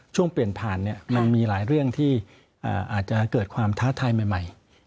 ช่วงเปลี่ยนผ่านมันมีหลายเรื่องที่อาจจะเกิดความท้าทายใหม่